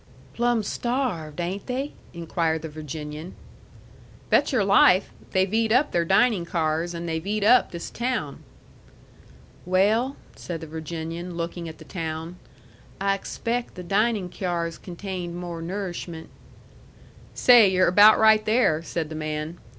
"Plumb starved, ain't they?" inquired the Virginian. "Bet your life! They've eat up their dining cars and they've eat up this town." "Well," said the Virginian, looking at the town, "I expaict the dining cyars contained more nourishment." "Say, you're about right there!" said the man.